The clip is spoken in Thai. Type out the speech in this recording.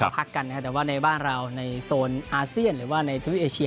พักกันนะครับแต่ว่าในบ้านเราในโซนอาเซียนหรือว่าในทวิปเอเชีย